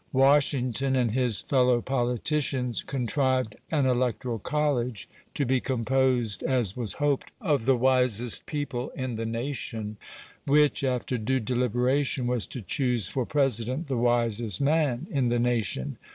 Washington and his fellow politicians contrived an electoral college, to be composed (as was hoped) of the wisest people in the nation, which, after due deliberation, was to choose for president the wisest man in the nation.